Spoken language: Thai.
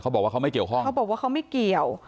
บอกว่าเขาไม่เกี่ยวข้องเขาบอกว่าเขาไม่เกี่ยว